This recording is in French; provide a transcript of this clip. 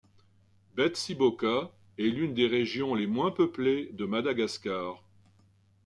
Betsiboka est l'une des régions les moins peuplées de Madagascar.